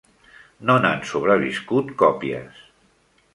No n'han sobreviscut còpies.